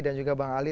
dan juga bang ali